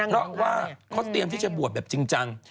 เพราะว่าเขาเตรียมที่จะบวชแบบจริงจัง